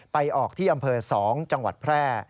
ไปออกที่อำเภอ๒จังหวัดแพร่